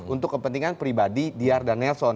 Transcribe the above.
untuk kepentingan pribadi diyar dan nelson